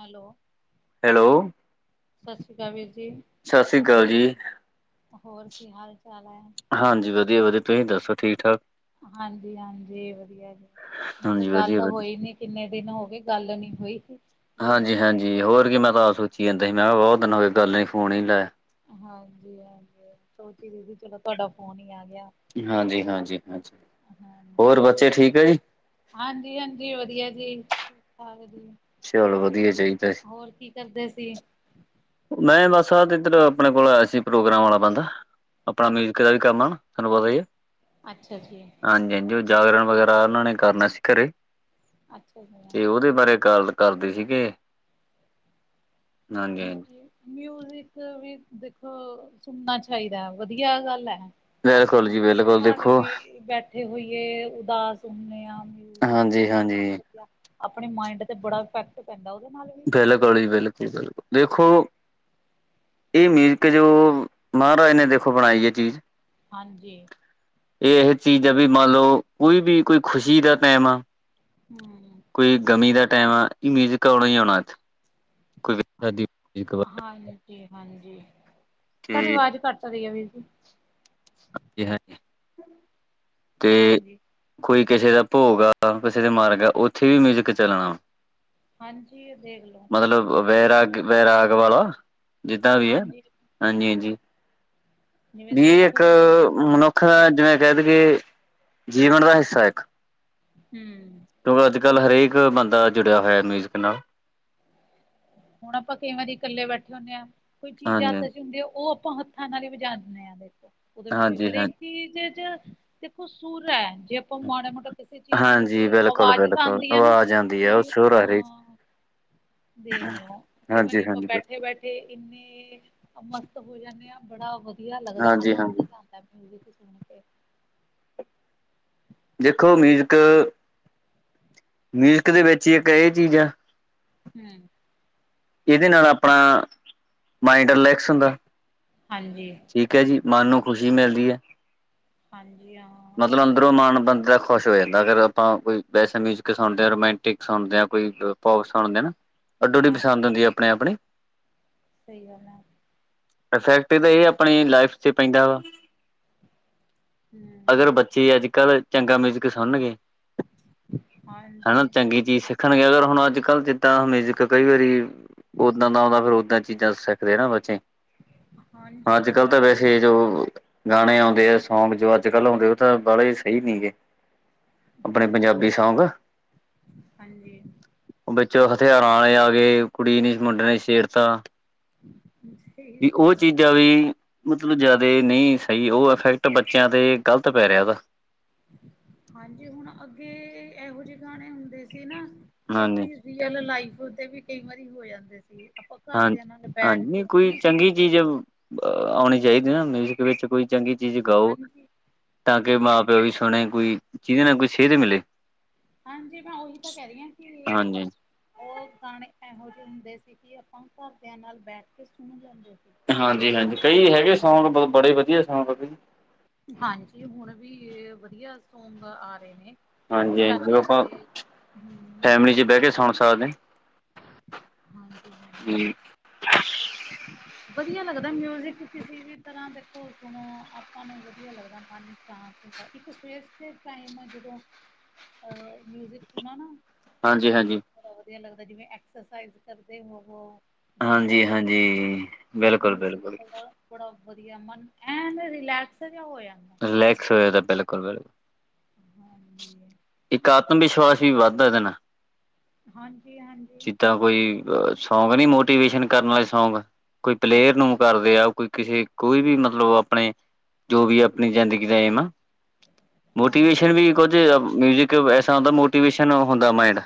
Hello hello. ਸਸ੍ਰੀ ਕਾਲ ਵੀਰ ਜੀ। ਸਸ੍ਰੀ ਕਾਲ ਜੀ। ਹੋਰ ਕੀ ਹਾਲ-ਚਾਲ ਐ? ਹਾਂਜੀ ਵਧੀਆ-ਵਧੀਆ ਤੁਸੀਂ ਦੱਸੋ ਠੀਕ-ਠਾਕ? ਹਾਂਜੀ-ਹਾਂਜੀ ਵਧੀਆ ਜੀ, ਮਖੇਆ ਹਾਂਜੀ ਗੱਲ ਵਧੀਆ ਵਧੀਆ। ਹੋਈ ਨੀ ਕਿੰਨੇ ਦਿਨ ਹੋਗੇ ਗੱਲ ਨੀ ਹੋਈ ਸੀ ਹਾਂਜੀ-ਹਾਂਜੀ, ਹੋਰ ਕੀ ਮੈਂ ਤਾਂ ਆਪ ਸੋਚੀ ਯਾਦਾ ਸੀ, ਮੈਂ ਕਿਹਾ ਬੋਤ ਦਿਨ ਹੋਏ ਗੱਲ ਨੀ, ਫੋਨ ਨੀ ਲਾਆ। ਹਾਂਜੀ-ਹਾਂਜੀ, ਸੋਚੀ ਸੀ ਗੀ ਚਲੋ ਤਾਡਾ ਫੋਨ ਈ ਆ ਗੇਆ। ਹਾਂਜੀ, ਹਾਂਜੀ, ਹਾਂਜੀ, ਹਾਂਜੀ, ਹੋਰ ਬੱਚੇ ਠੀਕ ਅ ਜੀ? ਹਾਂਜੀ-ਹਾਂਜੀ ਵਧੀਆ ਜੀ, ਠੀਕ-ਠਾਕ ਵਧੀਆ ਚਲੋ ਵਧੀਆ ਚਾਈਦਾ ਜੀ। ਹੋਰ ਕੀ ਕਰਦੇ ਸੀਗੇ? ਮੈਂ ਬੱਸ ਆ ਤੇ ਏਧਰ, ਆਪਣੇ ਕੋਲ ਆਯਾ ਸੀ, ਪ੍ਰੋਗਰਾਮ ਵਾਲਾ ਬੰਦਾ, ਅਪਣਾ ਅੱਛ ਮਿਊਜਿਕ ਆਲਾ ਕੰਮ ਆ। ਤਾਨੂੰ ਪਤਾ ਈ ਐ ਅੱਛਾ ਜੀ। ਆਜੀ-ਆਜੀ ਓ ਜਾਗਰਣ ਵਗੈਰਾ ਓਨਾਂ ਨੇ ਕਰਨਾ ਸੀ ਘਰੇ, ਅੱਛਾ ਜੀ। ਤੇ ਓਦੇ ਬਾਰੇ ਗੱਲ ਘਰਦੇ ਸੀਗੇ। ਹਾਂਜੀ। ਮਿਊਜਿਕ ਵੀ ਦੇਖੋ ਸੁਨਨਾ ਚਾਈਦਾ ਵਦੀਆ ਗੱਲ ਐ। ਬਿਲਕੁਲ ਜੀ ਬਿਲ ਘਰ ਵੀ ਬੈਠੇ ਹੋਈਏ ਉਦਾਸ ਹੁੰਨੇ ਆਂ ਮਿਊਜ਼ਿਕ ਜੀ ਹਾਂਜੀ। ਅਪਣੇ ਮਾਇੰਡ ਤੇ ਬੜਾ ਇਫੈਕਟ ਪੈਂਦਾ ਓਦੇ ਨਾਲ। ਵੀ ਬਿਲਕੁਲ ਜੀ ਬਿਲਕੁਲ, ਬਿਲਕੁਲ ਵੇਖੋ ਏ ਮੀਜ਼ਿਕ ਜੋ ਮਹਾਰਾਜ ਨੇ ਦੇਖੋ ਬਣਾਈ ਐ ਚੀਜ਼। ਹਾਂਜੀ। ਏ ਏਹ ਚੀਜ਼ ਆ ਵੀ ਮੰਨ ਲੋਂ ਕੋਈ ਵੀ ਕੋਈ ਖੁਸ਼ੀ ਦਾ ਟਾਈਮ ਆ ਹੂੰ। ਕੋਈ ਗਮੀ ਦਾ ਟੈਮ ਆ ਮਿਊਜ਼ਿਕ ਆਉਣਾ ਹੀ ਆਉਣਾ। ਕੋਈ ਹਾ, ਸ਼ਾਦੀ ਹਾਂਜੀ-ਹਾਂਜੀ ਤਾਡੀ ਤੇ ਆਵਾਜ਼ ਘੱਟ ਆ ਰੀ ਐ ਵੀਰ ਜੀ। ਹਾਂਜੀ-ਹਾਂਜੀ ਤੇ ਹਾਂਜੀ ਕੋਈ ਕਿਸੇ ਦਾ ਭੋਗ ਆ, ਕਿਸੇ ਦੇ ਮਰ ਗਯਾ ਓਥੇ ਵੀ ਮਿਊਜਿਕ ਚੱਲਣਾ। ਹਾਂਜੀ ਦੇਖ ਲੋ। ਮਤਲਬ ਵੈਰਾਗ, ਵੈਰਾਗ ਵਾਲਾ ਜਿੱਦਾਂ ਵੀ ਐ ਹਾਂਜੀ ਹਾਂਜੀ-ਹਾਂਜੀ। ਜਿਵੇਂ ਵੀ ਏ ਸੁੱਖ ਇੱਕ ਹੋਵੇ ਮਨੁੱਖ ਦਾ ਜਿਵੇਂ ਕੈ ਦੀਏ ਜੀਵਨ ਦਾ ਹਿੱਸਾ ਇੱਕ। ਹੂੰ। ਕਿਉਂਕਿ ਅੱਜ-ਕੱਲ ਹਰੇਕ ਬੰਦਾ ਜੁੜੇਆ ਹੋਏਆ ਮਿਊਜ਼ਿਕ ਨਾਲ। ਹੁਣ ਆਪਾਂ ਕਈ ਵਾਰੀ ਕੱਲੇ ਬੈਠੇ ਹੁੰਨੇ ਆਂ ਕੋਈ ਚੀਜ਼ ਹਾਂਜੀ ਹੱਥ 'ਚ ਹੁੰਦੀ ਆ ਓ ਆਪਾਂ ਹੱਥਾਂ ਨਾਲ ਈ ਵਜਾ ਦੇਨੇ ਆ ਦੇਖੋ, ਉਦੇ ਵਿੱਚ ਵੀ ਹਾਂਜੀ ਹਾਂ ਹਰੇਕ ਚੀਜ਼ 'ਚ ਦੇਖੋ ਸੂਰ ਐ ਜੇ ਆਪਾਂ ਮਾੜਾ ਮੋਟਾ ਕਿਸੇ ਚੀਜ਼ ਨੂੰ ਵੀ ਹਾਂਜੀ ਕਰੀਏ ਬਿਲਕੁਲ ਆਵਾਜ਼ ਤਾਂ ਬਿਲਕੁਲ ਆਂਦੀ ਐ ਨਾ ਆਵਾਜ਼ ਆਉਂਦੀ ਹੈ ਉਹ ਸ਼ੋਰ ਆ ਰਹੀ ਹਾਂ। ਦੇਖ ਲੋ, ਕਈ ਵਾਰੀ ਹਾਂਜੀ ਆਪਾਂ ਹਾਂਜੀ ਬੈਠੇ ਬਿਲਕੁਲ ਬੈਠੇ ਠੇ ਇੰਨੇ ਮਸਤ ਹੋ ਜਾਂਨੇ ਆ ਬੜਾ ਵਦੀਆ ਲੱਗਦਾ ਹਾਂਜੀ ਆਨੰਦ ਤੇ ਹਾਂਜੀ ਆ ਐ ਮਿਊਜ਼ਿਕ ਸੁਨ ਕੇ। ਦੇਖੋ ਮਿਊਜ਼ਿਕ ਮਿਊਜ਼ਿਕ ਦੇ ਵਿੱਚ ਈ ਇੱਕ ਐ ਚੀਜ਼ਾਂ ਆ। ਹੂੰ। ਇਦੇ ਨਾਲ ਆਪਣਾ ਮਾਇੰਡ ਰਿਲੈਕਸ ਹੁੰਦਾ। ਹਾਂਜੀ। ਠੀਕ ਐ ਜੀ, ਮਨ ਨੂੰ ਖੁਸ਼ੀ ਮਿਲਦੀ ਐ। ਹਾਂਜੀ ਹਾਂ। ਫੇਰ ਓ ਮਣ ਬੰਦੇ ਦਾ ਖੁਸ਼ ਹੋ ਜਾਂਦਾ ਅਗਰ ਆਪਾਂ ਕੋਈ ਵੈਸੇ ਮਿਊਜਿਕ ਸੁਣਦੇ, ਰੋਮਾਂਟਿਕ ਸੁਣਦੇ ਆਂ ਕੋਈ ਅ [unintelligible] ਸੁਣਦੇ ਨਾ, ਅੱਡੋ ਅਡੀ ਹਾਂ ਪਸੰਦ ਹੁੰਦੀ ਆਪੋ ਆਪਣੀ। ਸਈ ਗੱਲ ਐ। ਇਫੈਕਟ ਏਦਾ ਏ ਆਪਣੀ ਲਾਈਫ 'ਚ ਪੈਂਦਾ ਵਾ। ਹੂੰ। ਅਗਰ ਬੱਚੇ ਅੱਜ-ਕੱਲ ਚੰਗਾ ਮਿਊਜਿਕ ਸੁਣਨਗੇ ਹਾਂਜੀ ਹਨਾ ਚੰਗੀ ਚੀਜ਼ ਸਿੱਖਣਗੇ ਅਗਰ ਹੁਣ ਅੱਜ-ਕੱਲ ਜਿਦਾਂ ਮਿਊਜ਼ਿਕ ਕਈ ਵਾਰੀ ਓਦਾਂ ਦਾ ਆਉਂਦਾ ਫੇਰ ਓਦਾਂ ਚੀਜ਼ਾਂ ਸਿੱਖਦੇ ਨਾ ਬੱਚੇ। ਹਾਂਜੀ ਅੱਜ ਕੱਲ ਹਾਂ ਤਾਂ ਵੈਸੇ ਸੇ ਜੋ ਗਾਣੇ ਆਉਂਦੇ ਆ, ਸੌਂਗ ਜੋ ਅੱਜ-ਕੱਲ ਆਉਂਦੇ ਓ ਤਾਂ ਬਾਲੇ ਸਈ ਨੀ ਗੇ। ਆਪਣੇ ਹਮ ਪੰਜਾਬੀ ਸੌਂਗ। ਹਾਂਜੀ ਓ ਵਿੱਚ ਓ ਹਥਿਆਰਾਂ ਆਲੇ ਆ ਗਏ ਕੁੜੀ ਨੀ ਮੁੰਡੇ ਨੇ ਛੇੜਤਾ। ਸਹੀ ਵੀ ਓ ਗੱਲ ਆ। ਚੀਜ਼ ਜ਼ਾ ਵੀ ਮਤਲਬ ਜਾਅਦੇ ਨਈੰ ਸਈ ਓ ਇਫੈਕਟ ਬੱਚੇਆਂ ਤੇ ਗਲਤ ਪੈ ਰਿਆ ਓਦਾ। ਹਾਂਜੀ, ਹੁਨ ਅੱਗੇ ਐਹੋ ਜੇ ਗਾਣੇ ਹੁੰਦੇ ਸੀ ਨਾ ਕਿ ਹਾਂਜੀ ਆਪਨੀ ਰੀਅਲ ਲਾਈਫ ਦੇ ਵੀ ਕਈ ਵਾਰੀ ਹੋ ਜਾਂਦੇ ਸੀ ਆਪਾਂ ਹਾਂ ਘਰਦੇਆਂ ਨਾਲ ਬੈਠ ਕੇ ਕੀ ਸੁਣਦੇ ਆਂ। ਔਣੀ ਚਾਈਦੀ ਆ ਨਾ ਮਿਊਜ਼ਿਕ ਵਿੱਚ ਕੋਈ ਚੰਗੀ ਚੀਜ਼ ਗਾਓ। ਹਾਂਜੀ ਤਾਂ ਕਿ ਮਾਂ-ਪਿਓ ਵੀ ਸੁਣੇ ਕੋਈ ਜੀਦੇ ਨਾਲ ਕੋਈ ਸੇਦ ਮਿਲੇ। ਹਾਂਜੀ, ਮੈਂ ਓਹੀ ਤਾਂ ਕੈ ਰਈ ਆਂ ਕਿ ਅ ਹਾਂਜੀ। ਓ ਗਾਣੇ ਐਹੋ ਜੇ ਹੁੰਦੇ ਸੀ ਕਿ ਆਪਾਂ ਘਰਦੇਆਂ ਨਾਲ ਬੈਠ ਕੇ ਸੁਨ ਲੈਂਦੇ ਸੀ। ਹਾਂਜੀ-ਹਾਂਜੀ ਕਈ ਹੈਗੇ ਸੌਂਗ ਬ ਬੜੇ ਵਦੀਆ ਸੌਂਗ ਆ। ਹਾਂਜੀ, ਹੁਨ ਵੀ ਵਦੀਆ ਸੌਂਗ ਆ ਰਏ ਨੇ। ਹਾਂਜੀ-ਹਾਂਜੀ ਓ ਆਪਾਂ ਚਾਹੇ ਹਮ ਫੈਮਿਲੀ ਚ ਬੈ ਕੇ ਸੁਣ ਸਕਦੇ ਆਂ। ਹਾਂਜੀ-ਹਾਂਜੀ, ਵਦੀਆ ਲੱਗਦੈ ਮਿਊ ਊਜ਼ਿਕ ਕਿਸੀ ਵੀ ਤਰਾਂ ਦੇਖੋ ਹੁਨ ਆਪਾਂ ਨੂੰ ਵਦੀਆ ਲੱਗਦਾ ਮਨ ਸ਼ਾਂਤ ਹੁੰਦਾ ਐ ਇੱਕ ਸਵੇਰ-ਸਵੇ ਦੇ ਟਾਈਮ ਜਦੋਂ ਅ ਮਿਊਜ਼ਿਕ ਸੁਣਾ ਨਾ ਹਾਂਜੀ-ਹਾਂਜੀ। ਬੜਾ ਵਦੀਆ ਲੱਗਦਾ ਜਿਵੇਂ ਐਕਸਰਸਾਈਜ਼ ਕਰਦੇ ਹੋਵੋ ਜਿੰਮ ਚ ਹਾਂਜੀ-ਹਾਂਜੀ ਹੋਵੋ, ਮਿਊਜ਼ਿਕ ਬਿਲਕੁਲ-ਬਿਲਕੁਲ ਚਲਦਾ ਬੜਾ ਵਦੀਆ ਮਨ ਐਨ ਰਿਲੈਕਸ ਜਾ ਹੋ ਜਾਂਦਾ। ਰਿਲੈਕਸ ਹੋ ਜਾਂਦਾ ਬਿਲਕੁਲ-ਬਿਲਕੁਲ। ਹਾਂਜੀ। ਇੱਕ ਆਤਮ-ਵਿਸ਼ਵਾਸ ਵੀ ਵੱਦਦਾ ਏਦੇ ਨਾ। ਹਾਂਜੀ-ਹਾਂਜੀ। ਕੋਈ ਸੌਂਗ ਨੀ ਮੋਟੀਵੇਸ਼ਨ ਕਰਨ ਆਲੇ ਸੌਂਗ ਕੋਈ ਪਲੇਅਰ ਨੂੰ ਕਰਦੇ ਆ ਕੋਈ ਕਿਸੇ ਕੋਈ ਵੀ ਮਤਲਬ ਆਪਣੇ ਜੋ ਵੀ ਆਪਣੀ ਜ਼ਿੰਦਗੀ ਦਾ ਏਮ ਆ ਮੋਟੀਵੇਸ਼ਨ ਹਾਂਜੀ ਵੀ ਕੁਝ ਮਿਊਜ਼ਿਕ ਐਸਾ ਹੁੰਦਾ ਮੋਟੀਵੇਸ਼ਨ ਹੁੰਦਾ ਮਾਇੰਡ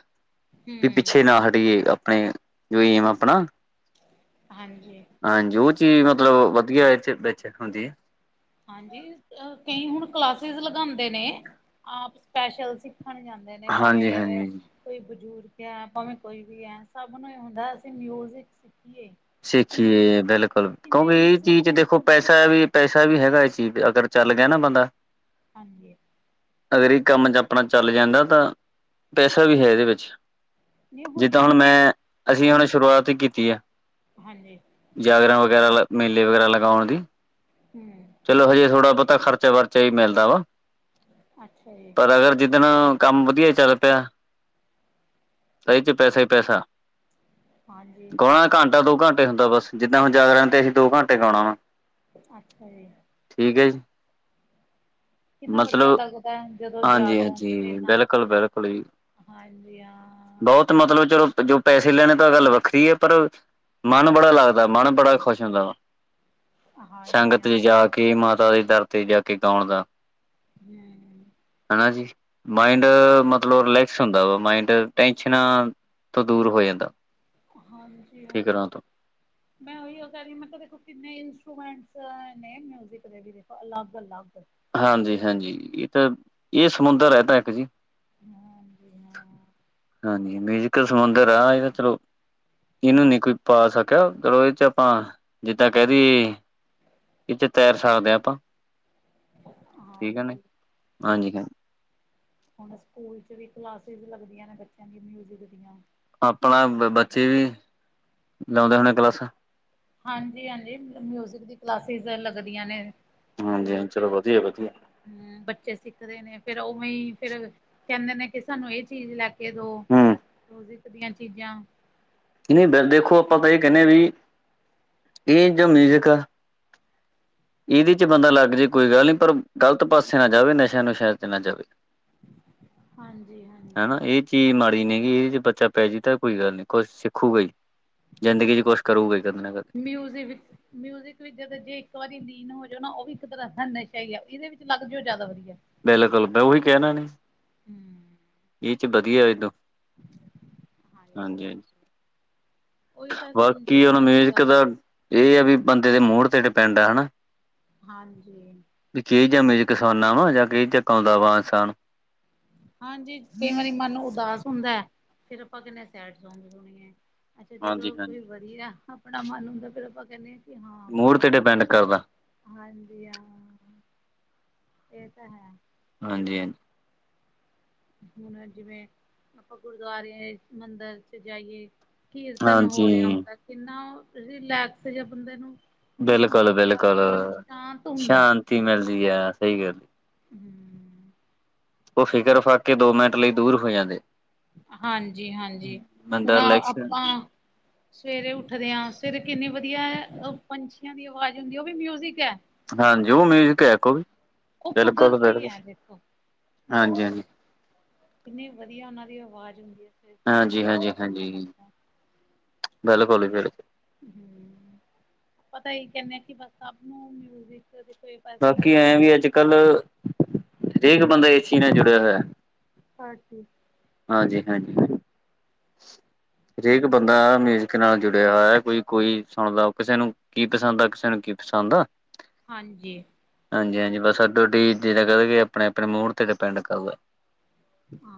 ਵੀ ਹਮ ਪਿੱਛੇ ਨਾ ਹਟੀਏ ਆਪਣੇ ਜੋ ਏਮ ਆ ਆਪਣਾ। ਹਾਂਜੀ। ਹਾਂਜੀ, ਓ ਚੀਜ਼ ਮਤਲਬ ਵਦੀਆ ਏਚ ਵਿੱਚ ਹੁੰਦੀ ਆ। ਹਾਂਜੀ, ਕਈ ਹੁਨ ਕਲਾਸਿਸ ਲਗਾਂਦੇ ਨੇ ਆਪ ਸਪੈਸ਼ਲ ਸਿੱਖਨ ਜਾਂਦੇ ਦੇ ਨੇ ਭਾਂਵੇ ਹਾਂਜੀ ਹਾਂਜੀ ਕੋਈ ਬਜ਼ੁਰਗ ਐ ਭਾਵੇਂ ਕੋਈ ਵੀ ਐ ਸਬ ਨੂੰ ਏ ਹੁੰਦਾ ਅਸੀਂ ਮਿਊਜਿਕ ਸਿੱਖੀਏ। ਕਿੰਨੇ ਸਿੱਖੀਏ ਬਿਲਕੁਲ ਕਿੰਨੇ ਕਿਓਂਕੇ ਏ ਚੀਜ਼ ਚ ਦੇਖੋ ਇੰਸਟਰੂਮੈਂਟਸ ਨੇ ਪੈਸਾ ਵੀ ਪੈਸਾ ਵੀ ਹੈਗਾ ਇਸ ਚੀਜ਼ ਤੇ ਅਗਰ ਚੱਲ ਗਿਆ ਨਾ ਬੰਦਾ। ਹਾਂਜੀ। ਅਗਰ ਏ ਕੰਮ ਚ ਆਪਨਾ ਚੱਲ ਜਾਂਦਾ ਤਾਂ ਪੈਸਾ ਵੀ ਹੈ ਏਦੇ ਵਿੱਚ। ਨਹੀਂ ਜਿੱਦਾ ਹੁਣ ਕਿੰਨੇ ਮੈਂ ਅਸੀਂ ਹੁਣ ਸ਼ੁਰੂਆਤ ਈ ਕੀਤੀ ਐ। ਹਾਂਜੀ। ਜਾਗਰਣ ਵਗੈਰਾ ਲ, ਮੇਲੇ ਵਗੈਰਾ ਲਗੌਣ ਦੀ। ਹੂੰ। ਚਲੋ ਹਜੇ ਥੋੜਾ ਬੋਤਾ ਖਰਚਾ-ਵਰਚਾ ਈ ਮਿਲਦਾ ਵਾ। ਅੱਛਾ ਜੀ। ਪਰ ਅਗਰ ਜਿੱਦਨ ਕੰਮ ਵਦੀਆ ਚੱਲ ਪਿਆ ਤਾਂ ਇਹ ਚ ਪੈਸਾ ਹੀ ਪੈਸਾ। ਹਾਂਜੀ ਗੋਣਾ ਘੰਟਾ ਦੋ ਘੰਟੇ ਹੁੰਦਾ ਬਸ, ਜਿੱਦਾਂ ਹੁਣ ਜਾਗਰਣ ਤੇ ਅਸੀ ਦੋ ਘੰਟੇ ਗੋਣਾ ਵਾ। ਅੱਛਾ ਜੀ। ਠੀਕ ਏ। ਕਿੰਨਾ ਵਧੀਯਾ ਲੱਗਦੈ। ਜਦੋਂ ਜਾਗਰਣ ਦੇ ਹਾਂਜੀ ਨਾਲ ਬਿਲਕੁਲ ਬਿਲਕੁਲ ਜੀ ਹਾਂਜੀ ਹਾ। ਬਹੁਤ ਮਤਲਬ ਚਲੋ ਜੋ ਪੈਸੇ ਲੈਣੇ ਤਾਂ ਗੱਲ ਵੱਖਰੀ ਏ, ਪਰ ਮਨ ਬੜਾ ਲੱਗਦਾ, ਮਨ ਬੜਾ ਖੁਸ਼ ਹੁੰਦਾ ਵਾ। ਸੰਗ ਹਾਂਜੀ ਹਾਂ ਤੇ ਜਾ ਕੇ ਮਾਤਾ ਦੇ ਦਰ ਤੇ ਜਾ ਕੇ ਗੋਣ ਦਾ ਹਮ। ਹਾਂਜੀ ਮਾਈੰਡ ਮਤਲਬ ਰਿਲੈਕਸ ਹੁੰਦਾ ਵਾ। ਮਾਈਂਡ ਟੈਂਸ਼ਨਾ ਤੋ ਦੂਰ ਹੋ ਜਾਂਦਾ। ਫਿਕਰਾਂ ਹਾਂਜੀ-ਹਾਂਜੀ। ਤੋਂ ਮੈਂ ਉਹਯੋ ਕਹਿ ਰੀ ਮੈਂ ਕਿਹਾ ਵੇਖੋ ਕਿੰਨੇ ਇੰਸਟਰੂਮੈਂਟਸ ਹੈ ਨੇ ਮਿਊਜਿਕ ਦੇ ਵੀ ਦੇਖੋ ਅਲੱਗ-ਅਲੱਗ। ਹਾਂਜੀ-ਹਾਂਜੀ। ਏਹ ਤਾਂ ਏਹ ਸਮੁੰਦਰ ਹੈ ਤਾਂ ਇੱਕ ਜੀ। ਹਾਂਜੀ ਹਾਂ। ਹਾਂਜੀ। ਮਿਊਜ਼ਕ ਸਮੁੰਦਰ ਆ ਇਹ ਥ੍ਰੋ ਇਨੂੰ ਨੀ ਕੋਈ ਪਾ ਸਕਿਆ, ਚਲੋ ਇਹ ਚ ਆਪਾਂ ਜਿੱਦਾਂ ਕਹਿ ਦਈਏ ਇਥੇ ਤੈਰ ਸਕਦੇ ਆ ਆਪਾਂ। ਠੀਕ ਹੈ ਨੇ ਹਾਂਜੀ ਹਾਂਜੀ ਹਾਂ ਹੁਣ ਸਕੂਲ ਚ ਵੀ ਕਲਾਸਿਸ ਲੱਗਦੀਆਂ ਨੇ ਬੱਚਿਆਂ ਦੀ ਮਿਊਜਿਕ ਦੀਆਂ ਆਪਣਾ ਬ ਬੱਚੇ ਵੀ ਲਾਉਂਦੇ ਹੋਣੇ ਕਲਾਸਾਂ? ਹਾਂਜੀ-ਹਾਂਜੀ। ਮਤਲ ਮਿਊਜਿਕ ਦੀ ਕਲਾਸਿਸ ਤੇ ਲੱਗਦੀਆਂ ਨੇ। ਹਾਂਜੀ ਹਾਂ ਸਕੂਲ ਚਲੋ ਕਯਾ। ਵਧੀਆ ਵਧੀਆ ਹਮ ਬੱਚੇ ਸਿੱਖਦੇ ਨੇ ਫਿਰ ਉ ਵੀ ਫੇਰ ਕਹੰਦੇ ਨੇ ਕਿ ਸਾਨੂੰ ਇਹ ਚੀਜ਼ ਲੈ ਕੇ ਦੋ, ਹੂੰ ਮਯੁਜ਼ਿਕ ਦੀਆਂ ਚੀਜ਼ਾਂ ਨਈ ਬਿਲ ਦੇਖੋ ਆਪਾਂ ਤਾਂ ਇਹ ਕਹਨੇ ਵਈ ਏਹ ਜੋ ਮਿਊਜ਼ਕ ਆ। ਇਹਦੇ ਚ ਬੰਦਾ ਲੱਗ ਜੇ ਕੋਈ ਗੱਲ ਨੀ ਪਰ ਗ਼ਲਤ ਪਾਸੇ ਨਾ ਜਾਵੇ ਨਸ਼ਯਾਂ- ਨੁਸ਼ਯਾਂ ਚ ਨਾ ਜਾਵੇ। ਹਾਂਜੀ-ਹਾਂਜੀ ਹੈਨਾ ਇਹ। ਚੀਜ਼ ਮਾੜੀ ਨੀ ਹੈਗੀ। ਇਹਦੇ ਚ ਬੱਚਾ ਪੈ ਜਾਏ ਤਾਂ ਕੋਈ ਗੱਲ ਨੀ। ਕੁਛ ਖੂਗਾ ਈ। ਜ਼ਿੰਦਗੀ ਚ ਕੁਛ ਕਰੂਗਾ ਈ ਕਦੀ ਨਾ ਕਦੇ। ਮਿਊਜ਼ਿ ਵਿਚ ਮਿਊਜਿਕ ਵਿੱਚ ਜਦ ਜੇ ਇੱਕ ਵਾਰੀ ਲੀਨ ਹੋ ਜੋ ਨਾ ਉਹ ਵੀ ਇੱਕ ਤਰਾਂ ਦਾ ਨਸ਼ਾ ਈ ਐ। ਇਹਦੇ ਵਿੱਚ ਲੱਗ ਜੋ ਜਾਦਾ ਵਧੀਯੈ। ਬਿਲਕੁਲ। ਮੈਂ ਉਹੀ ਕਹਣਾ ਨੀ। ਹੂੰ, ਇਹ ਚ ਬਧੀਐ ਏਦੋਂ ਹਾਂਜੀ। ਹਾ ਬਾਕੀ ਹੁਣ ਮਿਊਜਿਕ ਦਾ ਏਹ ਆ ਵੀ ਬੰਦੇ ਦੇ ਮੂਡ ਤੇ ਡਿਪੈਂਡ ਆ। ਹਨਾ। ਹਾਂਜੀ। ਵਿਚੇ ਜਮੇ ਕਿਸਾਨਾਂ ਵਾ ਜਾਂ ਕਿ ਚੱਕ ਆਂਦਾ ਵਾ ਇਨਸਾਨ। ਹਾਂਜੀ। ਕਈ ਵਾਰੀ ਮਨ ਉਦਾਸ ਹੁੰਦੈ, ਫਿਰ ਆਪਾਂ ਕਹਨੇ ਆ ਸੈਡ ਸੌਗ ਸੁਣੀਏ। ਅੱਛਾ। ਹਾਂਜੀ ਜਦੋਂ ਹਾਂਜੀ ਕੋਈ ਵਧੀਆ ਆਪਣਾ ਮਨ ਹੁੰਦੈ ਫੇਰ ਆਪਾਂ ਕਹਿੰਨੇ ਕਿ ਹਾਂ ਮੂੜ ਬੜਾ ਤੇ ਵਧੀਆ। ਡਿਪੈਂਡ ਕਰਦਾ। ਹਾਂਜੀ ਹਾਂ। ਇਹ ਤਾਂ ਹੈ। ਹਾਂਜੀ-ਹਾਂਜੀ। ਹੁਣ ਜਿਵੇਂ, ਆਪਾਂ ਗੁਰਦੁਆਰੇ, ਮੰਦਰ ਚ ਜਾਈਏ। ਕੀਰਤਨ ਹੋ ਰਿਹਾ ਹਾਂਜੀ ਹੁੰਦਾ, ਕਿੰਨਾ ਰਿਲੈਕਸ ਜਾਂ ਬੰਦੇ ਨੂੰ ਫੀਲ ਹੁੰਦਾ ਬਿਲਕੁਲ ਤੇ ਜਾ ਕੇ ਮਨ ਸ਼ਾਂਤ ਹੁੰਦਾ। ਤੀ ਮਿਲਦੀ ਆ ਸਹੀ ਗੱਲ ਹੂੰ। ਉਹ ਫ਼ਿਕਰ- ਫਾਕੇ ਦੋ ਮਿੰਟ ਲਈ ਦੂਰ ਹੋ ਜਾਂਦੇ। ਹਾਂਜੀ-ਹਾਂਜੀ ਹੁਣ ਬੰਦਾ ਰਿਲੈਕਸ ਆਪਾਂ ਸਵੇਰੇ ਉੱਠਦੇ ਆਂ ਸਵੇਰੇ ਕਿੰਨੀਂ ਵਧੀਆ ਓ ਪੰਛੀਆਂ ਦੀ ਆਵਾਜ਼ ਹੁੰਦੀ ਹੈ ਉਹ ਵੀ ਮਿਊਜਿਕ ਹੈ। ਹਾਂਜੀ ਉਹ ਮਿਊਜਿਕ ਹੈ ਇਕ ਓ ਵੀ ਉਹ ਬਿਲਕੁਲ- ਕੁਦਰਤੀ ਬਿਲਕੁਲ, ਹੈ ਦੇਖੋ ਹਾਂਜੀ- ਹਾਂਜੀ। ਕਿੰਨੀ ਵਧੀਆ ਉਹਨਾਂ ਦੀ ਆਵਾਜ਼ ਹੁੰਦੀ ਆ, ਸਵੇਰੇ- ਸਵੇਰੇ ਹਾਂਜੀ ਬੜਾ ਹਾਂਜੀ ਮਨ ਹਾਂਜੀ ਲੱਗਦਾ ਐ‌। ਬਿਲਕੁਲ ਹੀ ਬਿਲਕੁਲ। ਹੂੰ ਪਤਾ ਇਹ ਕਹਿਣੇ ਆ ਕਿ ਬਸ ਸਭ ਨੂੰ ਮਿਊਜਿਕ ਦੇਥੇ। ਬਾਕੀ ਐਂ ਵੀ ਅੱਜ ਕੱਲ ਹਰੇਕ ਬੰਦਾ ਇਸ ਚੀਜ਼ ਨਾਲ ਜੁੜਿਆ ਹੋਇਆ। [unintelligible] ਹਾਂਜੀ -ਹਾਂਜੀ। ਹਰੇਕ ਹੂੰ ਬੰਦਾ ਆ ਮਿਊਜ਼ਿਕ। ਮਿਊਜ਼ਿਕ ਨਾਲ ਜੁੜਿਆ ਹੋਇਆ ਕੋਈ- ਕੋਈ ਸੁਣਦਾ ਕਿਸੇ ਨੂੰ ਕੀ ਪਸੰਦ ਆ ਕਿਸੇ ਨੂੰ ਕੀ ਪਸੰਦ ਆ। ਹਾਂਜੀ। ਹਾਂਜੀ- ਹਾਂਜੀ ਬਸ ਸਾਡਾ ਉਡੀ ਜਿਵੇ ਕਹਿਦੇ ਆਪਣੇ- ਆਪਣੇ ਮੂਡ ਤੇ ਡਿਪੈਂਡ ਕਰਦਾ।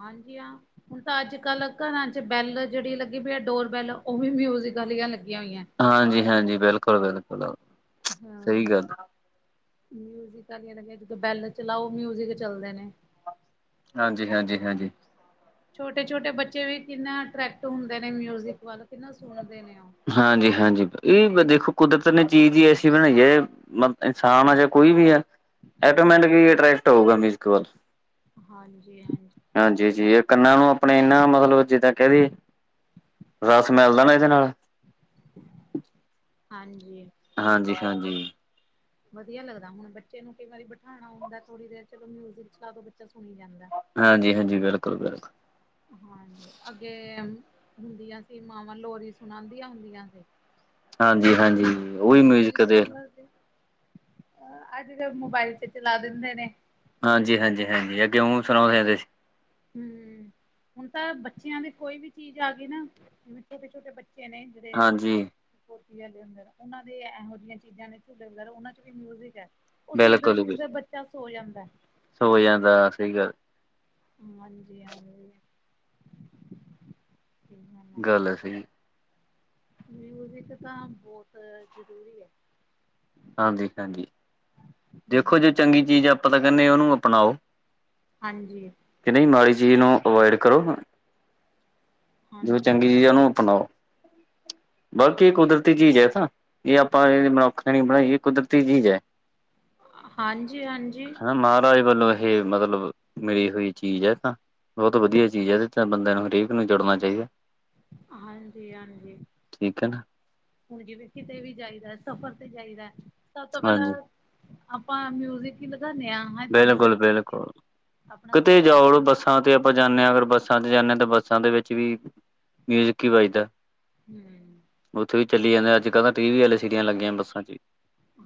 ਹਾਂਜੀ ਹਾ। ਹੁਣ ਤਾਂ ਅੱਜ ਕੱਲ ਘਰਾਂ ਚ ਬੈਲ ਜਿਹੜੀ ਲੱਗੀ ਪਈ ਹੈ ਡੋਰ ਬੈਲ ਉਹ ਵੀ ਮਿਊਜਿਕ ਆਲੀਆਂ ਲੱਗੀਆਂ ਹੋਈਆਂ ਐ। ਹਾਂਜੀ- ਹਾਂਜੀ, ਬਿਲਕੁਲ- ਬਿਲਕੁਲ। ਹਾਂ। ਸਹੀ ਗੱਲ ਮਿਊਜ਼ਿਕ ਆਲੀਆਂ ਲੱਗੀਆਂ ਜਿਦਾਂ ਬੈਲ ਚਲਾਓ, ਮਿਊਜਿਕ ਚਲਦੇ ਨੇ। ਹਾਂਜੀ- ਹਾਂਜੀ, ਹਾਂਜੀ। ਛੋਟੇ- ਛੋਟੇ ਬੱਚੇ ਵੀ ਕਿੰਨਾ ਅਟਰੈਕਟ ਹੁੰਦੇ ਨੇ ਮਿਊਜਿਕ ਵੱਲ ਕਿੰਨਾ ਸੁਣਦੇ ਨੇ ਉਹ। ਹਾਂਜੀ- ਹਾਂਜੀ, ਇਹ ਦੇਖੋ ਕੁਦਰਤ ਨੇ ਚੀਜ਼ ਹੀ ਐਸੀ ਬਣਾਈ ਹੈ। ਮਤ ਇਨਸਾਨ ਆ ਜਾਂ ਕੋਈ ਵੀ ਆ ਐਟੋ ਮੈਟੀਕਟ ਕੀ ਅਟਰੈਕਟ ਹੋਊਗਾ ਮਿਊਜ਼ਿਕ ਵੱਲ। ਹਾਂਜੀ- ਹਾਂਜੀ। ਹਾਂਜੀ ਜੀ ਇਹ ਕੰਨਾਂ ਨੂੰ ਆਪਣੇ ਇਹਨਾ ਮਤਲਬ ਜਿੱਦਾਂ ਕਹਿ ਦੀਏ। ਰਸ ਮਿਲਦਾ ਨਾ ਇਹਦੇ ਨਾਲ। ਹਾਂਜੀ। ਹਾਂਜੀ- ਹਾਂਜੀ। ਵਧੀਆ ਲੱਗਦਾ ਹੁਣ ਬੱਚੇ ਨੂੰ ਕਈ ਵਾਰੀ ਬਠਾਣਾ ਹੁੰਦਾ ਥੋੜੀ ਦੇਰ ਚਲੋ ਮਿਊਜ਼ਿਕ ਚਲਾ ਦੋ ਬੱਚਾ ਸੁਣੀ ਜਾਂਦਾ ਆ। ਹਾਂਜੀ- ਹਾਂਜੀ, ਬਿਲਕੁਲ- ਬਿਲਕੁਲ। ਹਾਂਜੀ, ਅੱਗੇ ਹੁੰਦੀਆਂ ਸੀ ਮਾਵਾਂ ਲੋਰੀ ਸੁਣਾਉਂਦੀਆਂ ਹੁੰਦੀਆਂ ਸੀ। ਹਾਂਜੀ- ਹਾਂਜੀ। ਮਿਊਜਿਕ ਹੁੰਦਾ ਸੀ ਅ ਅੱਜ ਕੱਲ ਮੋਬਾਇਲ ਚ ਚਲਾ ਦਿੰਦੇ ਨੇ। ਹਾਂਜੀ- ਹਾਂਜੀ ਹਾਂਜੀ ਅੱਗੇ ਮੂੰਹ ਸੁਣਾਉਂਦੇ ਹੁੰਦੇ ਸੀ। ਹੂੰ, ਹੁਣ ਤਾਂ ਬੱਚਿਆਂ ਦੇ ਕੋਈ ਵੀ ਚੀਜ਼ ਆ ਗਈ ਨਾ ਛੋਟੇ- ਛੋਟੇ ਬੱਚੇ ਨੇ। ਜਿਹੜੇ। ਹਾਂਜੀ ਗੋਦੀ ਆਂਲੇ ਹੁੰਦੇ ਨੇ, ਉਹਨਾਂ ਦੇ ਇਹੋ ਜਿਹੀਆਂ ਚੀਜ਼ਾਂ ਨੇ ਝੂਲੇ ਵਗੈਰਾ ਉਹਨਾਂ ਚ ਵੀ ਮਿਊਜ਼ਿਕ ਐ। ਉਹ ਸੁਣਦੇ- ਬਿਲਕੁਲ ਬਿਲ ਸੁਣਦੇ ਬੱਚਾ ਸੋ ਜਾਂਦਾ ਆ। ਸੋ ਜਾਂਦਾ ਏ ਸਹੀ ਗੱਲ। ਹਾਂਜੀ- ਹਾਂਜੀ ਗੱਲ ਏ ਸਹੀ। ਮਿਊਜਿਕ ਤਾਂ ਬੋਤ ਜਰੂਰੀ ਐ। ਹਾਂਜੀ-ਹਾਂਜੀ, ਦੇਖੋ ਜੇ ਚੰਗੀ ਚੀਜ ਐ, ਆਪਾ ਤਾਂ ਕੈਣੇ ਓਨੂੰ ਅਪਣਾਓ। ਹਾਂਜੀ। ਕਿ ਨਈਂ ਮਾੜੀ ਚੀਜ ਨੂੰ ਅਵੋਇਡ ਕਰੋ ਹਾਂ। ਜੋ ਹਾਂਜੀ ਚੰਗੀ ਚੀਜ ਆ, ਹਾਂ ਓਹਨੂੰ ਅਪਣਾਓ। ਬਲਕੀ ਐ ਕੁਦਰਤੀ ਚੀਜ ਐ, ਜੇ ਆਪਾਂ ਏ ਮਨੁੱਖ ਨੀ ਬਣਾਈ ਕੁਦਰਤੀ ਚੀਜ ਐ। ਹਾਂਜੀ-ਹਾਂਜੀ। ਹਨਾ, ਮਹਾਰਾਜ ਵੱਲੋਂ ਏਹ ਮਤਲਬ ਮਿਲੀ ਹੋਈ ਚੀਜ ਐ ਤਾਂ। ਬੋਤ ਵਧੀਆ ਚੀਜ ਆ ਇਦੇ ਤੇ ਬੰਦੇ ਨੂੰ ਹਰੇਕ ਨੂੰ ਜੋੜਨਾ ਚਾਈਦੈ। ਹਾਂਜੀ-ਹਾਂਜੀ। ਠੀਕੈ ਨਾ। ਹੁਣ ਜਿਵੇਂ ਕਿਤੇ ਵੀ ਜਾਈਦਾ, ਸਫਰ ਤੇ ਜਾਈਦੈ ਸਭ ਤੋਂ ਪੈਲਾਂ ਹਾਂਜੀ ਆਪਾਂ ਮਿਊਜਿਕ ਵੀ ਲਗਾਨੇ ਆ। ਹਾਂ ਥੋੜ੍ਹੀ ਦੇਰ ਸੁਣੀਏ ਬਿਲਕੁਲ-ਬਿਲਕੁਲ, ਆਪਣਾ ਕਿਤੇ ਸਫ਼ਰ ਜਾਓ ਵਧੀਆ ਬੱਸ ਥਾਂ ਤੇ ਲੰਘ ਆਪਾਂ ਜਾਂਨੇ ਆ ਅਗਰ ਬੱਸਾਂ ਚ ਜਾਂਨੇ ਆ ਤਾਂ, ਬੱਸਾਂ ਦੇ ਵਿੱਚ ਵੀ ਮਿਊਜ਼ਿਕ ਈ ਵੱਜਦਾ। ਹਮ ਓਥੇ ਵੀ ਚੱਲੀ ਜਾਂਦੇ ਅੱਜ-ਕੱਲ ਨਾ ਟੀਵੀ ਐੱਲ ਸੀਡੀਆਂ ਲੱਗੀਆਂ ਬੱਸਾਂ 'ਚ।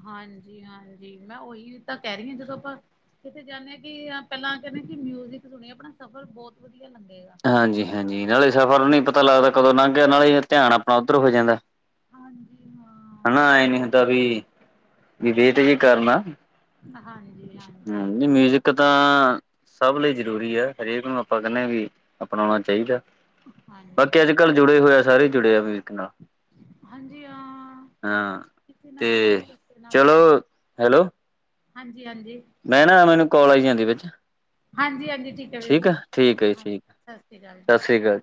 ਹਾਂਜੀ-ਹਾਂਜੀ, ਮੈਂ ਓਹੀ ਤਾ ਕੈ ਰੀਆ ਜਦੋਂ ਆਪਾਂ ਕਿਥੇ ਜਾਂਨੇ ਆ ਕਿ ਪੈਲਾਂ ਕੈਂਦੇ ਕਿ ਮਿਊਜਿਕ ਸੁਣੀਏ ਅਪਣਾ ਸਫਰ ਬੋਤ ਵਧੀਆ ਲੱਘੇਗਾ। ਹਾਂਜੀ-ਹਾਂਜੀ ਨਾਲੇ ਸਫਰ ਨੂੰ ਨੀ ਪਤਾ ਲੱਗਦਾ ਕਦੋਂ ਲੰਘ ਗਿਆ ਨਾਲੇ ਧਿਆਨ ਆਪਣਾ ਓਧਰ ਹੋ ਜਾਂਦਾ। ਹਾਂਜੀ ਹਾਂ ਹੈਨਾ, ਆਏ ਨੀ ਹੁੰਦਾ ਵੀ ਵੀ ਵੇਟ ਜੀ ਕਰਨਾ ਹਾਂਜੀ ਹਾਂਜੀ ਹੂੰ ਮਿਊਜਿਕ ਇੱਕ ਤਾਂ ਸਭ ਲਈ ਜਰੂਰੀ ਐ, ਹਰੇਕ ਨੂੰ ਆਪਾਂ ਕੈਂਨੇ ਆ ਵੀ ਅਪਣਾਉਣਾ ਚਾਈਦੈ। ਬਾਕੀ ਹਾਂਜੀ ਅੱਜ-ਕੱਲਜੁੜੇ ਹੋਏ ਆ, ਸਾਰੇ ਜੁੜੇ ਆ ਮਿਊਜ਼ਿਕ ਨਾਲ। ਹਾਂਜੀ, ਹਾਂ ਹਾਂ ਕਿਸੇ ਨਾ ਤੇ ਕਿਸੇ ਤਰੀਕੇ ਨਾਲ ਚਲੋ ਸਰਜੂ। ਹਾਂਜੀ-ਹਾਂਜੀ। ਮੈਨਾ ਮੈਨੂੰ ਕਾੱਲ ਆਈ ਜਾਂਦੀ ਆ ਵਿੱਚ। ਹਾਂਜੀ ਹਾਂਜੀ ਠੀਕ ਹੈ ਵੀਰ ਜੀ ਠੀਕੈ, ਠੀਕ ਐ ਜੀ ਹਾਂ ਠੀਕ ਸ਼੍ਰੀ ਅਕਾਲ ਜੀ ਸਤਿ ਸ੍ਰੀ ਅਕਾਲ।